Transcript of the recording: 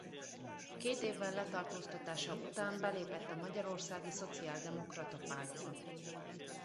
Két évvel letartóztatása után belépett a Magyarországi Szociáldemokrata Pártba.